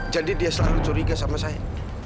jadi dia selalu curiga sama saya